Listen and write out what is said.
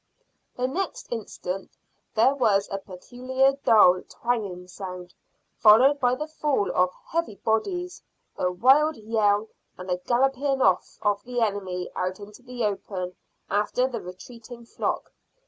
The next instant there was a peculiar dull twanging sound, followed by the fall of heavy bodies, a wild yell, and the galloping off of the enemy out into the open after the retreating flock.